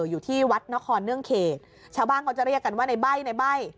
อยู่ที่วัดนครเนื่องเขตชาวบ้านเขาจะเรียกกันว่าในใบ้ในใบ้